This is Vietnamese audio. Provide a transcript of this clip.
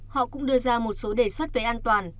họ cũng đưa ra một số đề xuất về an toàn